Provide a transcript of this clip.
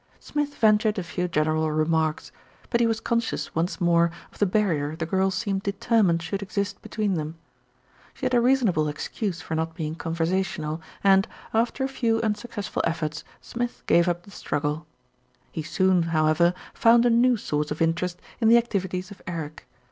Smith ventured a few general remarks; but he was conscious once more of the barrier the girl seemed de termined should exist between them. She had a reason able excuse for not being conversational and, after a few unsuccessful efforts, Smith gave up the struggle. He soon, however, found a new source of interest in the activities of Eric.